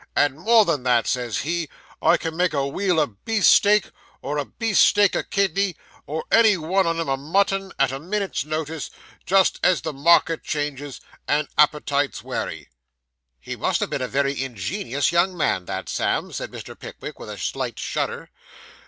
And more than that," says he, "I can make a weal a beef steak, or a beef steak a kidney, or any one on 'em a mutton, at a minute's notice, just as the market changes, and appetites wary!"' 'He must have been a very ingenious young man, that, Sam,' said Mr. Pickwick, with a slight shudder.